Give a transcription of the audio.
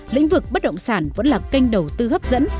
lĩnh vực bất động sản vẫn là kênh đầu tư hấp dẫn